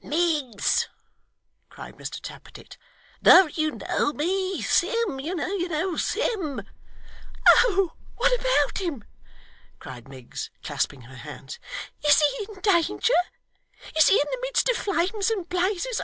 'Miggs!' cried Mr Tappertit, 'don't you know me? Sim, you know Sim ' 'Oh! what about him!' cried Miggs, clasping her hands. 'Is he in any danger? Is he in the midst of flames and blazes!